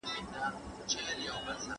¬ په درنو دروند، په سپکو سپک.